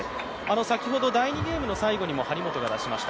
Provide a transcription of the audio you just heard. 先ほど第２ゲームの最後にも張本が出しました